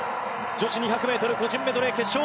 女子２００ｍ個人メドレー決勝。